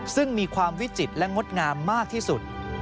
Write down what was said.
ซึ่งมีความวิจิตรและงดงามมากที่สุด